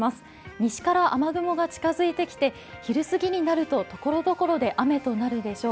西から雨雲が近づいてきて昼過ぎになると、ところどころで雨となるでしょう。